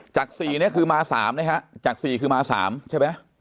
จาก๔คือมา๓นะครับจาก๔คือมา๓ใช่ไหม